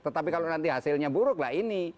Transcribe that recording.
tetapi kalau nanti hasilnya buruk lah ini